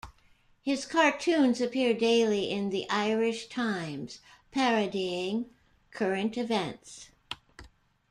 His cartoons appear daily in "The Irish Times" parodying current events.